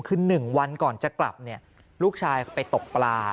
คือ๑วันก่อนจะกลับเนี่ยลูกชายไปตกปลา